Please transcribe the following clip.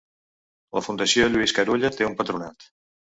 La Fundació Lluís Carulla té un patronat.